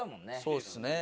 そうですね。